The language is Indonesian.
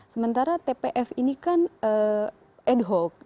sementara tpf ini kan ad hoc